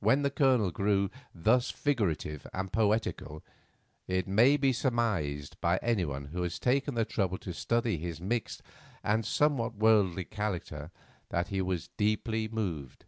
When the Colonel grew thus figurative and poetical it may be surmised by anyone who has taken the trouble to study his mixed and somewhat worldly character that he was deeply moved.